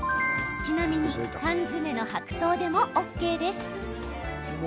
ちなみに缶詰の白桃でもＯＫです。